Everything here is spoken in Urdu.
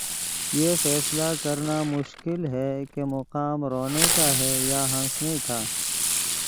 یہ فیصلہ کرنا مشکل ہے کہ مقام رونے کا ہے یا ہنسنے کا۔